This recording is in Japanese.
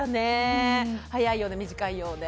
早いようで短いようで。